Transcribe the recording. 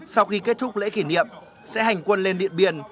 sau khi kết thúc lễ kỷ niệm sẽ hành quân lên điện biên